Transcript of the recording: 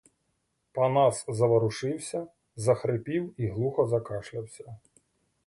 Панас заворушився, захрипів і глухо закашлявся.